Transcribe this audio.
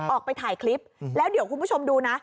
ออกไปถ่ายคลิปแล้วเดี๋ยวคุณผู้ชมดูนะ